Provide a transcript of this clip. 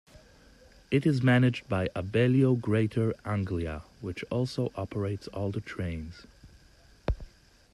It is managed by Abellio Greater Anglia, which also operates all the trains.